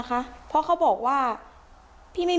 เขาเก็บเงินที่ไหนอะ